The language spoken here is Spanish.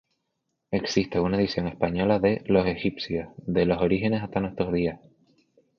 Existe una edición española de "Los egipcios: de los orígenes hasta nuestros días".